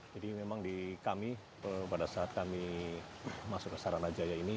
jadi memang di kami pada saat kami masuk ke sarana jaya ini